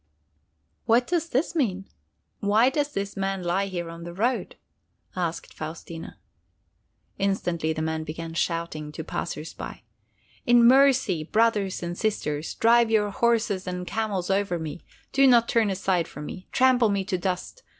"What does this mean? Why does this man lie here on the road?" asked Faustina. Instantly the man began shouting to the passers by: "In mercy, brothers and sisters, drive your horses and camels over me! Do not turn aside for me! Trample me to dust!